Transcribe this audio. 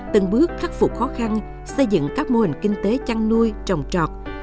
từng bước khắc phục khó khăn xây dựng các mô hình kinh tế chăn nuôi trồng trọt